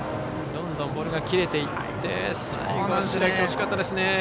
どんどんボールが切れていって最後、白木惜しかったですね。